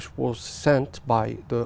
được gửi đến bởi